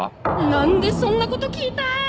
何でそんなこと聞いたー！？